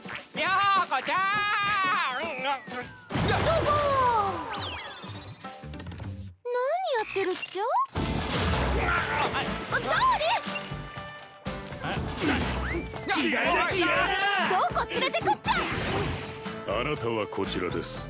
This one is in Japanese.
あなたはこちらです。